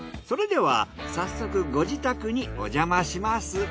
それでは早速ご自宅にお邪魔します。